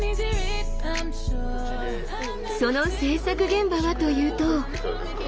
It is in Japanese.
その制作現場はというと。